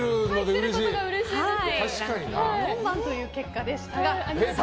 入ってることがうれしいです。